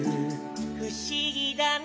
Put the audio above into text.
「ふしぎだね